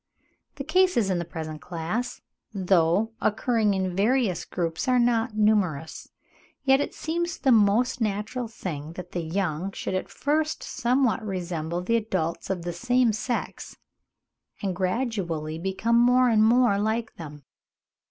The cases in the present class, though occurring in various groups, are not numerous; yet it seems the most natural thing that the young should at first somewhat resemble the adults of the same sex, and gradually become more and more like them.